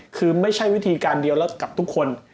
คือไม่ใช่วิธีการเดียวแล้วกับทุกคน